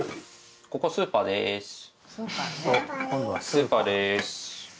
スーパーです。